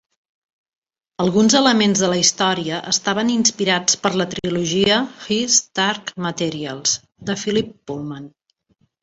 Alguns elements de la història estaven inspirats per la trilogia "His Dark Materials" de Philip Pullman.